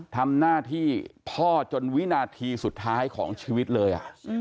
ทำหน้าที่พ่อจนวินาทีสุดท้ายของชีวิตเลย